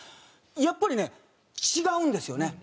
やっぱりね違うんですよね。